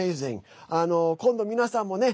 今度、皆さんもね